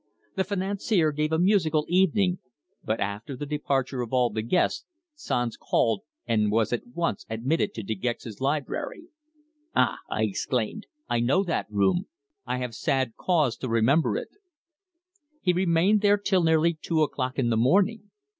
The financier gave a musical evening, but after the departure of all the guests, Sanz called and was at once admitted to De Gex's library." "Ah!" I exclaimed. "I know that room. I have sad cause to remember it!" "He remained there till nearly two o'clock in the morning.